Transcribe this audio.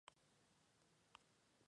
Al morir, ella grita: "¡Ayuda, Silvio!".